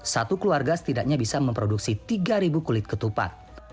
satu keluarga setidaknya bisa memproduksi tiga kulit ketupat